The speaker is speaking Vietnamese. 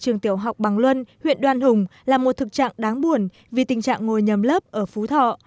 trường tiểu học bằng luân huyện đoan hùng là một thực trạng đáng buồn vì tình trạng ngồi nhầm lớp ở phú thọ